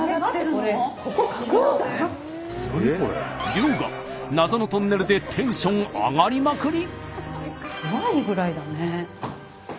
遼河謎のトンネルでテンション上がりまくり。